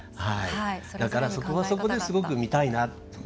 そこはそこで、すごく見たいなと。